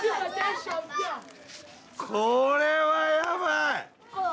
これはやばい！